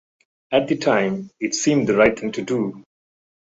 At the time, it seemed the right thing to do.